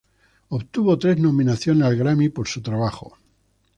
Obtuvo tres nominaciones al Grammy por su trabajo.